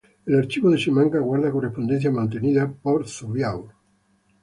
El archivo de Simancas guarda correspondencia mantenida por Zubiaur.